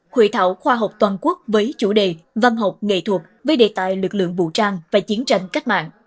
hội thảo khoa học toàn quốc với chủ đề văn học nghệ thuật với đề tài lực lượng vũ trang và chiến tranh cách mạng